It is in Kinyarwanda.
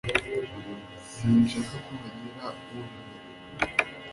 Sinshaka ko hagira ubimenya